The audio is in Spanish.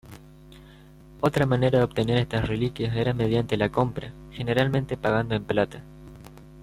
Otra manera de obtener estas reliquias era mediante la compra, generalmente pagando en plata.